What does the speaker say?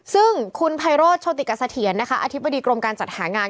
ซึ่งคุณไพโรธโชติกเสถียรนะคะอธิบดีกรมการจัดหางาน